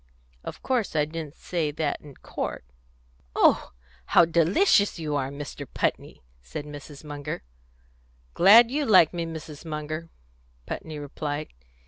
Of course I didn't say that in court." "Oh, how delicious you are, Mr. Putney!" said Mrs. Munger. "Glad you like me, Mrs. Munger," Putney replied.